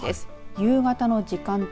夕方の時間帯。